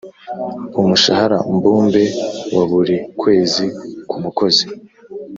Umushahara mbumbe wa buri kwezi ku mukozi